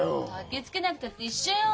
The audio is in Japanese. たきつけなくたって一緒よ。